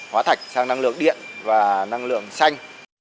hóa thạch sang năng lượng điện và năng lượng xanh